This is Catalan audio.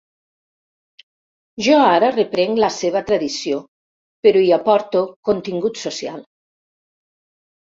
Jo ara reprenc la seva tradició però hi aporto contingut social.